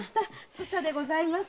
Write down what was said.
粗茶でございます。